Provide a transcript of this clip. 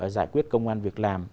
giải quyết công an việc làm